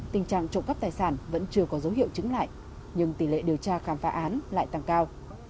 tình trạng trộm cắp tài sản vẫn chưa có dấu hiệu chứng lại nhưng tỷ lệ điều tra khám phá án lại tăng cao